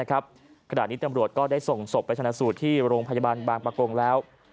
ขณะนี้ตำรวจก็ได้ส่งศพไปชนะสูตรที่โรงพยาบาลบางประกงแล้ว